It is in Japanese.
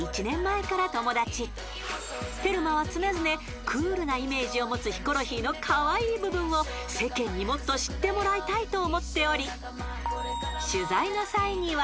［テルマは常々クールなイメージを持つヒコロヒーのカワイイ部分を世間にもっと知ってもらいたいと思っており］